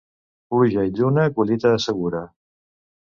Pluja i lluna collita assegura.